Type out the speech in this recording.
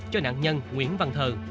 cho nạn nhân nguyễn văn thơ